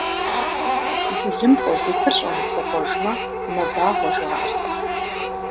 Былым къозытыр щӏэмыфыгъуэжмэ, мэбагъуэ жаӏэрт.